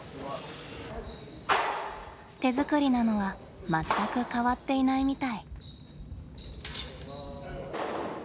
手作りなのは全く変わっていないみたい。